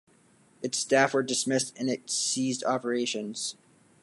Its staff were dismissed and it ceased operations.